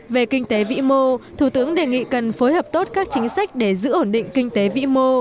về kinh tế vĩ mô thủ tướng đề nghị cần phối hợp tốt các chính sách để giữ ổn định kinh tế vĩ mô